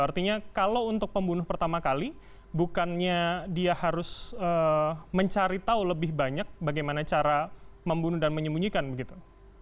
artinya kalau untuk pembunuh pertama kali bukannya dia harus mencari tahu lebih banyak bagaimana cara membunuh dan menyembunyikan begitu